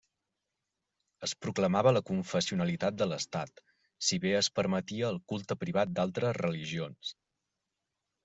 Es proclamava la confessionalitat de l'Estat, si bé es permetia el culte privat d'altres religions.